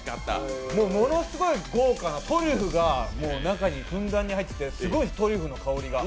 もう、ものすごい豪華なトリュフが中にふんだんに入っていて、すごいトリュフの香りが。